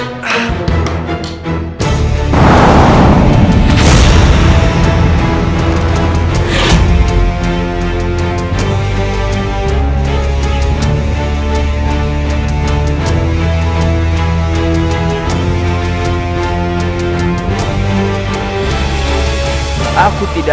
keguruan sederhana households